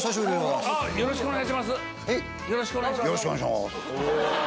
よろしくお願いします。